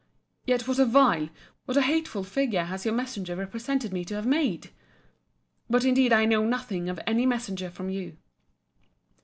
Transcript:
—Yet what a vile, what a hateful figure has your messenger represented me to have made! But indeed I know nothing of any messenger from you.